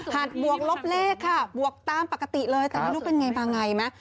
หัสบวกลบเลขแต่นี่ลูกเป็นอย่างไรมา